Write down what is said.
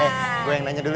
eh gue yang nanya dulu ya